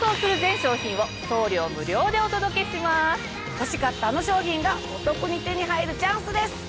欲しかったあの商品がお得に手に入るチャンスです。